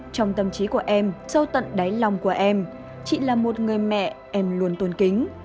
trong tâm trí của em sâu tận đáy lòng của em chị là một người mẹ em luôn tôn kính